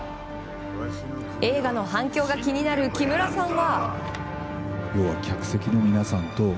映画の反響が気になる木村さんは。